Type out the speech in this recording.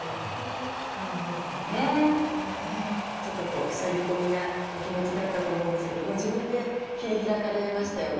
ちょっとふさぎ込みなお気持ちだったと思うんですけどご自分で切り開かれましたよね